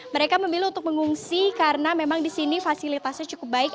mereka memilih untuk mengungsi karena memang di sini fasilitasnya cukup baik